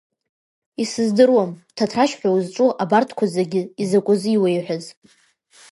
Исыздыруам Ҭаҭрашь ҳәа узҿу абарҭқәа зегьы изакәазы иуеиҳәаз!